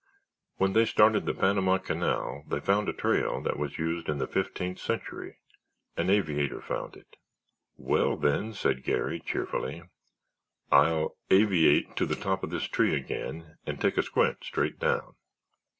When they started the Panama Canal they found a trail that was used in the Fifteenth Century—an aviator found it." "Well, then," said Garry, cheerfully, "I'll aviate to the top of this tree again and take a squint straight down."